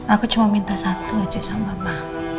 aku cuma minta satu aja sama bapak